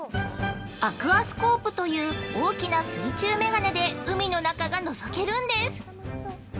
◆アクアスコープという大きな水中眼鏡で海の中がのぞけるんです。